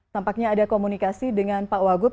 tampaknya ada komunikasi dengan pak wagub